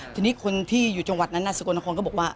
สันนี้คนที่อยู่จังหวัดนั้นน่ะสุโกรชนาคมก็บอกว่า